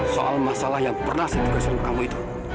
soal masalah yang pernah seduka seru kamu itu